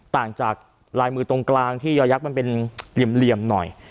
ต่างจากลายมือตรงกลางที่อยักษ์มันเป็นเหลี่ยมหน่อย